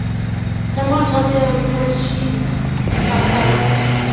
Cham achame arutoshi Kapsabet.